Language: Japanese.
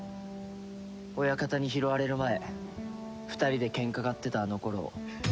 親方に拾われる前２人でケンカ買ってたあの頃を。